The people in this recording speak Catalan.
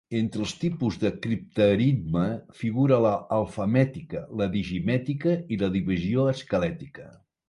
Entre els tipus de criptaritme figuren l'alfamètica, la digimètica i la divisió esquelètica.